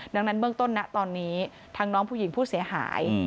ดังนั้นเบื้องต้นนะตอนนี้ทั้งน้องผู้หญิงผู้เสียหาย